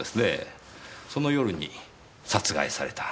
その夜に殺害された。